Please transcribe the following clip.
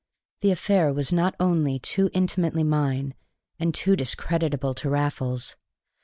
The affair was not only too intimately mine, and too discreditable to Raffles.